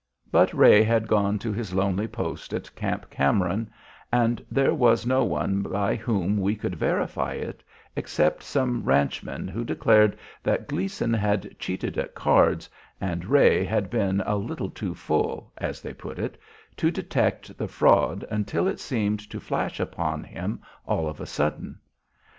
But Ray had gone to his lonely post at Camp Cameron, and there was no one by whom we could verify it except some ranchmen, who declared that Gleason had cheated at cards, and Ray "had been a little too full," as they put it, to detect the fraud until it seemed to flash upon him all of a sudden.